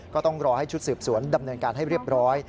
ก็ต้องรอให้ชุดสืบสวนดำเนินการให้เรียบร้อย